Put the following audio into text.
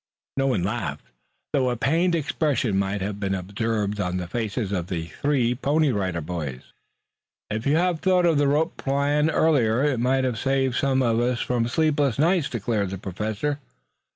No one laughed, though a pained expression might have been observed on the faces of three Pony Rider Boys. "If you had thought of the rope plan earlier, it might have saved some of us from sleepless nights," declared the Professor.